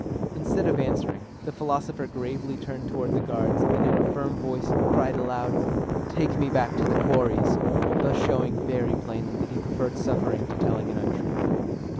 Instead of answering, the philosopher gravely turned toward the guards, and in a firm voice cried aloud, "Take me back to The Quarries!" thus showing very plainly that he preferred suffering to telling an untruth.